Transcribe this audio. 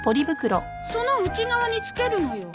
その内側につけるのよ。